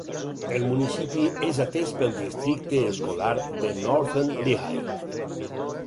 El Municipi és atès pel Districte Escolar de Northern Lehigh.